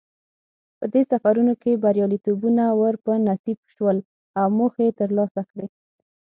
په دې سفرونو کې بریالیتوبونه ور په نصیب شول او موخې یې ترلاسه کړې.